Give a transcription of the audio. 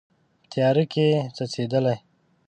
په تیاره کې څڅیدلې